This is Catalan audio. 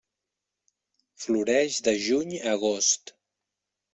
Floreix de juny a agost.